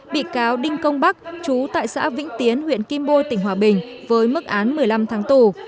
bị cáo đinh công bắc chú tại xã vĩnh tiến huyện kim bôi tỉnh hòa bình với mức án một mươi năm tháng tù